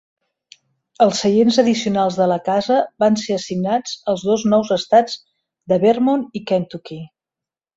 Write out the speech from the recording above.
Els seients addicionals de la casa van ser assignats als dos nous estats de Vermont i Kentucky.